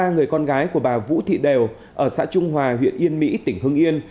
ba người con gái của bà vũ thị đều ở xã trung hòa huyện yên mỹ tỉnh hưng yên